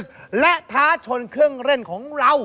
จะมาร่วมเปิดศึกและท้าชนเครื่องเล่นของเรา